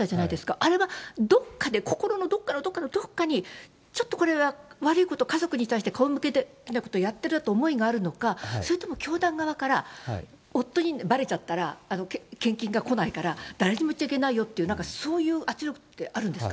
あれはどっかで、心のどっかのどっかのどっかに、ちょっとこれは悪いこと、家族に対して顔向けできないことをやってるという思いがあるのか、それとも教団側から、夫にばれちゃったら献金がこないから、誰にも言っちゃいけないよっていう、なんかそういう圧力ってあるんですか？